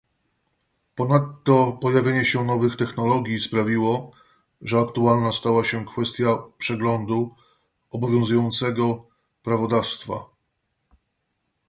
Ponadto pojawienie się nowych technologii sprawiło, że aktualna stała się kwestia przeglądu obowiązującego prawodawstwa